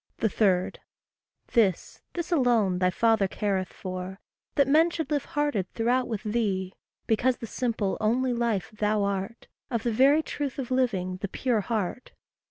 3. This, this alone thy father careth for That men should live hearted throughout with thee Because the simple, only life thou art, Of the very truth of living, the pure heart.